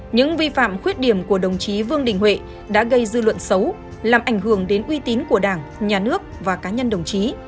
những vi phạm khuyết điểm của đồng chí vương đình huệ đã gây dư luận xấu làm ảnh hưởng đến uy tín của đảng nhà nước và cá nhân đồng chí